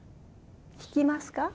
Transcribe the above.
弾きますか？